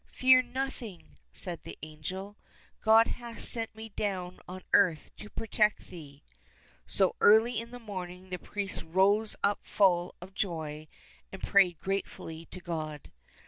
" Fear nothing !" said the angel. " God hath sent me down on earth to protect thee !" So, early in the morning, the priest rose up full of joy and prayed gratefully to God.